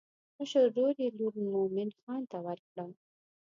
مشر ورور یې لور مومن خان ته ورکړه.